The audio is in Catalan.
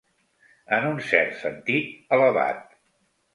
En un cert sentit, elevat.